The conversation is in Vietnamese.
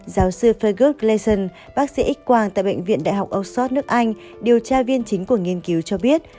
giáo sư fergus gleason bác sĩ ích quang tại bệnh viện đại học oxford nước anh điều tra viên chính của nghiên cứu cho biết